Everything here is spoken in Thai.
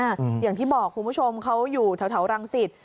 อย่างที่บอกคุณผู้ชมเขาอยู่แถวรังสิต